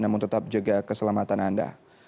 namun tetap jaga keselamatan anda